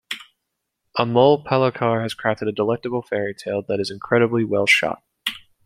Amol Palekar has crafted a delectable fairytale that is incredibly well-shot.